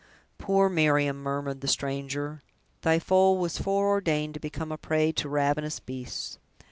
"Poor Miriam!" murmured the stranger; "thy foal was foreordained to become a prey to ravenous beasts!"